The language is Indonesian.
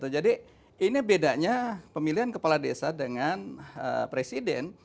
jadi ini bedanya pemilihan kepala desa dengan presiden